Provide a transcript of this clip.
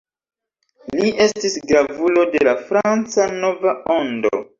Li estis gravulo de la Franca Nova Ondo.